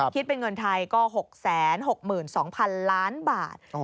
คิดเป็นเงินไทยก็๖๖๒๐๐๐ล้านบาท